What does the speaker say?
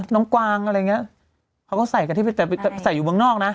น้องกวางอะไรอย่างนี้เขาก็ใส่อยู่เมืองนอกนะ